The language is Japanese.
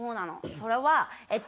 それはえっと